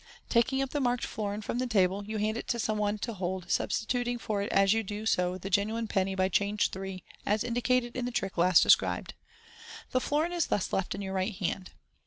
Taking up the marked florin from the table, you hand it to some one to hold, substituting for it as you do so the genuine penny by Change 3, as indicated in the trick last described. The florin is thus left in your right hand.